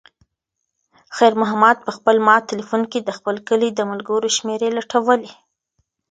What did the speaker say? خیر محمد په خپل مات تلیفون کې د خپل کلي د ملګرو شمېرې لټولې.